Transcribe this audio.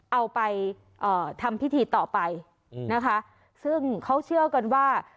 เอาไปเอ่อทำพิธีต่อไปนะคะซึ่งเขาเชื่อกันว่า